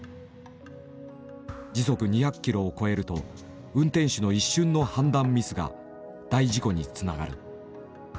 時速２００キロを超えると運転士の一瞬の判断ミスが大事故につながる。